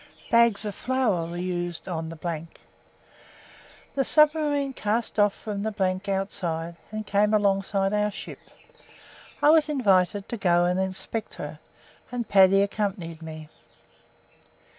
Bags of flour were used on the . The submarine cast off from the outside and came alongside our ship. I was invited to go and inspect her, and Paddy accompanied me.